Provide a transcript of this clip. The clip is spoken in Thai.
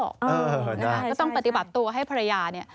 เออน่าใช่ใช่ค่ะก็ต้องปฏิบัติตัวให้ภรรยานี่